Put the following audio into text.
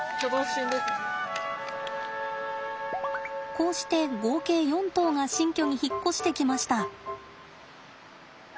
こうして合計４頭が新居に引っ越してきました。